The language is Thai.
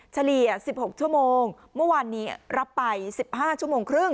เฉลี่ยสิบหกชั่วโมงเมื่อวันนี้รับไปสิบห้าชั่วโมงครึ่ง